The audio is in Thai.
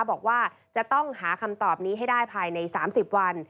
บอกว่าจะต้องหาคำตอบนี้ให้ได้ภายใน๓๐วัน